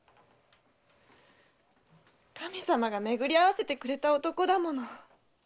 神さまがめぐり会わせてくれた男だもの！